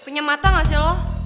punya mata gak sih lo